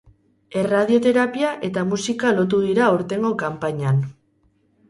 Erradioterapia eta musika lotu dira aurtengo kanpainan.